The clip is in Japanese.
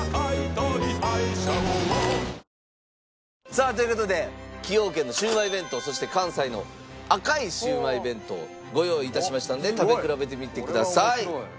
さあという事で崎陽軒のシウマイ弁当そして関西の赤いシウマイ弁当ご用意致しましたので食べ比べてみてください。